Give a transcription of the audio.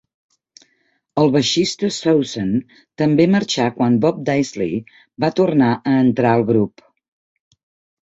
El baixista Soussan també marxar quan Bob Daisley va tornar a entrar al grup.